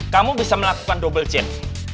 kamu bisa melakukan double gen